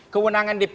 kewenangan dpd ditolak